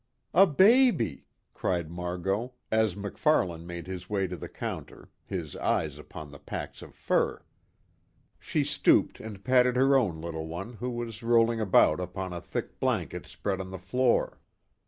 "A baby!" cried Margot, as MacFarlane made his way to the counter, his eyes upon the packs of fur. She stooped and patted her own little one who was rolling about upon a thick blanket spread on the floor.